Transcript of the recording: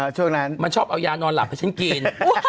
ช่วงนั้นมันชอบเอายานอนหลับให้ฉันกิน